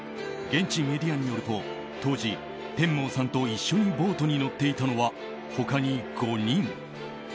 現地メディアによると当時、テンモーさんと一緒にボートに乗っていたのは他に５人。